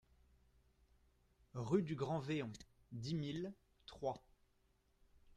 Rue du Grand Véon, dix mille Troyes